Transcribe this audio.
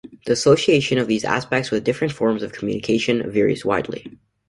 The association of these aspects with different forms of communication varies widely.